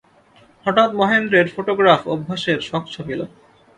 হঠাৎ মহেন্দ্রের ফোটোগ্রাফ-অভ্যাসের শখ চাপিল।